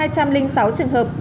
hai trăm linh sáu trường hợp